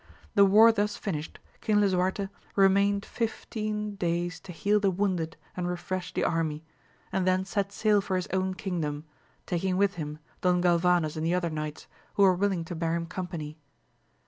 The war thus finished, King Lisuarte remained fifteen 198 AMADIS OF GAUL. days to heal the wounded and refresh the army, and then set sail for his own kingdom, taking with him Don Galvanes and the other knights, who were will ing to bear him company.